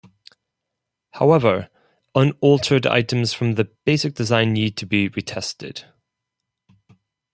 However, unaltered items from the basic design need not be retested.